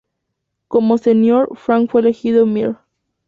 Como senior, Frank fue elegido Mr.